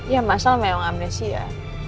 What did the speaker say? ya mas al memang amnesia